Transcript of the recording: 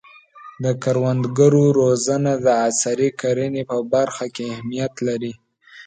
د کروندګرو روزنه د عصري کرنې په برخه کې اهمیت لري.